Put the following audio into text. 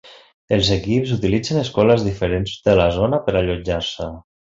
Els equips utilitzen escoles diferents de la zona per allotjar-se.